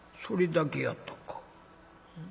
「それだけやったか。